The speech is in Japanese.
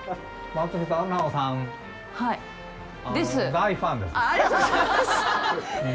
大ファンです。